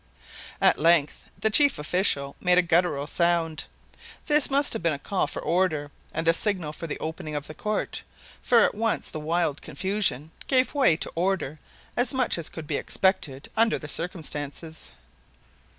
At length the chief official made a gutteral sound. This must have been a call for order and the signal for the opening of the court, for at once the wild confusion gave way to order as much as could be expected under the circumstances.